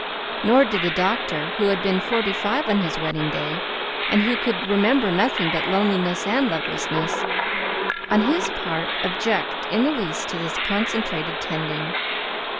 Nor did the doctor who had been forty five on his wedding day, and who could remember nothing but loneliness and lovelessness on his part object in the least to this concentrated "tending."